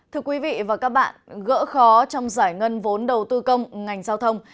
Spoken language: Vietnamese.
thưa quý vị và các bạn gỡ khó trong giải ngân vốn đầu tư công ngành giao thông